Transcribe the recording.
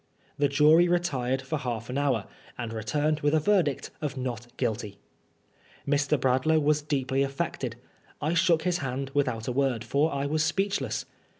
The jury retired for half an hoar, and returned with a verdict of Not Guilty I Mr. Bradlangh was deeply affected. I shook his hand without a word, for I was speechless.